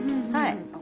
はい。